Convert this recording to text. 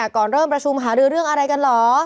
ก่อนเริ่มประชุมหารือเรื่องอะไรกันเหรอ